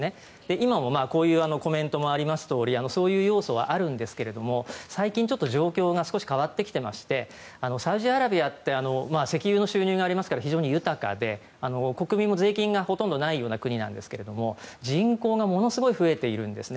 今もこういうコメントがありますようにそういう要素はあるんですが最近ちょっと状況が少し変わってきてましてサウジアラビアって石油の収入がありますから非常に豊かで国民も税金がほとんどないような国なんですが人口がものすごい増えているんです。